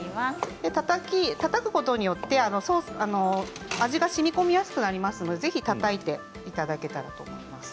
たたくことによって味がしみこみやすくなりますのでぜひ、たたいていただけたらと思います。